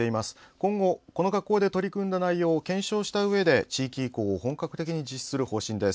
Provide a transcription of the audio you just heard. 今後この学校で取り組んだ内容を研修したうえで地域移行を本格的に実施する方針です。